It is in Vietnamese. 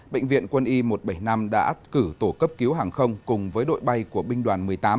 bệnh viện quân y một trăm bảy mươi năm đã cử tổ cấp cứu hàng không cùng với đội bay của binh đoàn một mươi tám